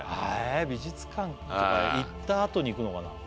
美術館とか行ったあとに行くのかな？